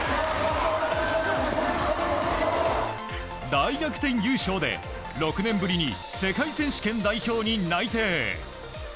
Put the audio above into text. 大逆転優勝で６年ぶりに世界選手権代表に内定。